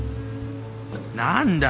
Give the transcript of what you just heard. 何だ。